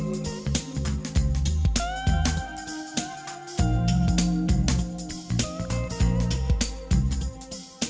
เวลาอีก๖บาทให้ส่วนกระดูกชวิทธิ์